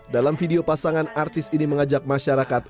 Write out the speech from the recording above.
dalam video pasangan artis ini mengajak masyarakat